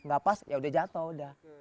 gak pas ya udah jatoh udah